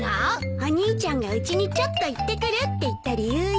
お兄ちゃんがうちにちょっと行ってくるって言った理由よ。